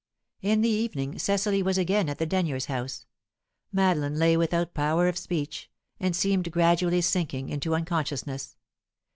In the evening, Cecily was again at the Denyers' house. Madeline lay without power of speech, and seemed gradually sinking into unconsciousness.